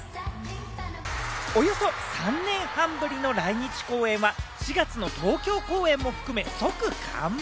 およそ３年半ぶりの来日公演は４月の東京公演も含め、即完売！